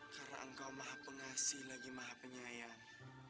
karena engkau maha pengasih lagi maha penyayang